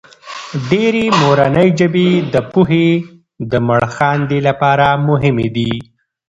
ډېرې مورنۍ ژبې د پوهې د مړخاندې لپاره مهمې دي.